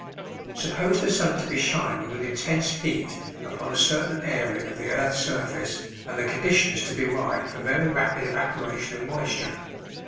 Suppose the sun to be shining with intense heat upon a certain area of the earth's surface and the conditions to be right for very rapid evaporation of moisture.